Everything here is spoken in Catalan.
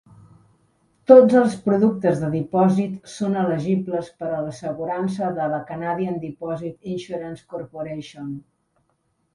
Tots els productes de dipòsit són elegibles per a l'assegurança de la Canadian dipòsit Insurance Corporation.